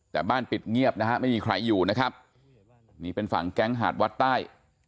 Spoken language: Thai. แต่บ้านปิดเงียบนะฮะไม่มีใครอยู่นะครับนี่เป็นฝั่งแก๊งหาดวัดใต้